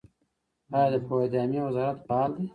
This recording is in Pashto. آیا د فواید عامې وزارت فعال دی؟